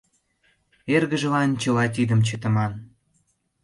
Эргыжлан чыла тидым чытыман.